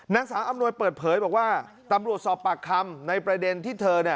นางสาวอำนวยเปิดเผยบอกว่าตำรวจสอบปากคำในประเด็นที่เธอ